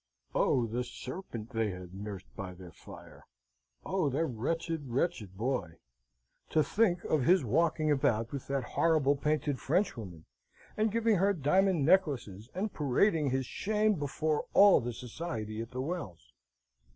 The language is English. Oh, the serpent they had nursed by their fire! Oh, the wretched, wretched boy! To think of his walking about with that horrible painted Frenchwoman, and giving her diamond necklaces, and parading his shame before all the society at the Wells!